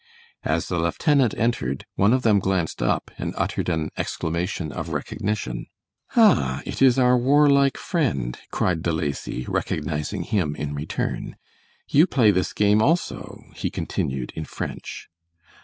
As the lieutenant entered, one of them glanced up and uttered an exclamation of recognition. "Ah, it is our warlike friend," cried De Lacy, recognizing him in return; "you play this game also," he continued in French.